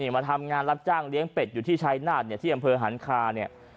มาทำงานรับจ้างเลี้ยงเป็ดอยู่ที่ชายนาฏที่อำเภอหันคาเนี่ย